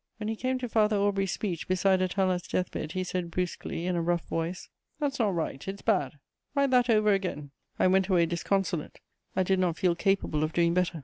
When he came to Father Aubry's speech beside Atala's deathbed, he said brusquely, in a rough voice: "That's not right; it's bad: write that over again!" I went away disconsolate; I did not feel capable of doing better.